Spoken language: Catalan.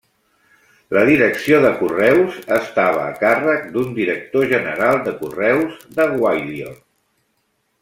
La direcció de correus estava a càrrec d'un director general de correus de Gwalior.